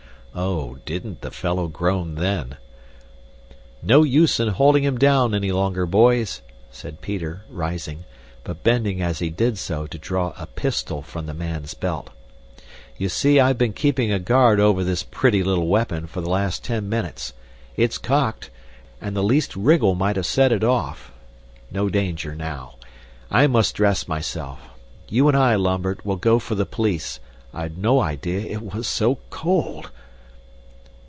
Oh, didn't the fellow groan then! "No use in holding him down any longer, boys," said Peter, rising, but bending as he did so to draw a pistol from the man's belt. "You see I've been keeping a guard over this pretty little weapon for the last ten minutes. It's cocked, and the least wriggle might have set it off. No danger now. I must dress myself. You and I, Lambert, will go for the police. I'd no idea it was so cold."